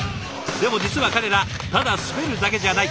でも実は彼らただ滑るだけじゃない。